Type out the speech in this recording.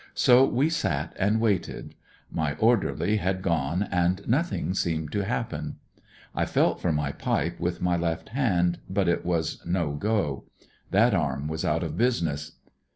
So we sat and waited. My orderly had gone 174 A COOL CANADIAN i i t'. ;!r1 and nothing seemed to happen. I felt for my pipe with my left hand, but it was no go. That arm was out of business.